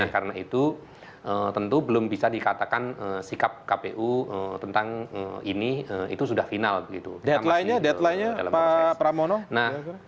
karena itu tentu belum bisa dikatakan sikap kpu tentang ini itu sudah final deadline nya